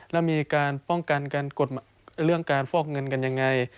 แล้วมีการป้องกันการกดเรื่องการฟอกเงินกันยังไง